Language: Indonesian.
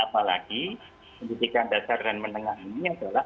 apalagi pendidikan dasar dan menengah ini adalah panggung daerah